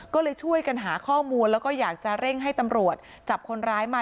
ก็เลยช่วยกันหาข้อมูลแล้วก็อยากจะเร่งให้ตำรวจจับคนร้ายมา